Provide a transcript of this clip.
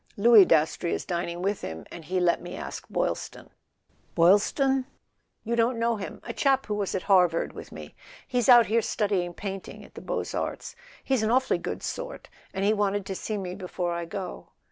Louis Dastrey is dining with him, and he let me ask Boylston " "Boylston ?" "You don't know him. A chap who was at Harvard with me. He's out here studying painting at the Beaux Arts. He's an awfully good sort, and he wanted to see me before I go."